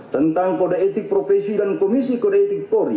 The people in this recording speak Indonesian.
tentang kode etik profesi dan komisi kode etik polri